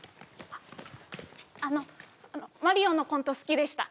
あのマリオのコント好きでした